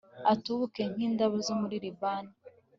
atubuke nk'indabyo zo muri libani